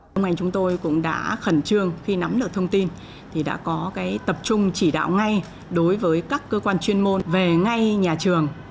đồng anh chúng tôi cũng đã khẩn trương khi nắm được thông tin thì đã có tập trung chỉ đạo ngay đối với các cơ quan chuyên môn về ngay nhà trường